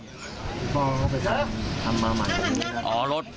พ่อก็ต้องไปทำมาเพราะเขาต้องทำมาใหม่